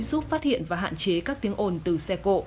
giúp phát hiện và hạn chế các tiếng ồn từ xe cộ